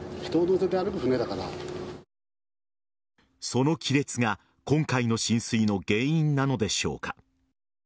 その亀裂が今回の浸水の原因なのでしょうか。